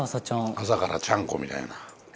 朝からちゃんこみたいな。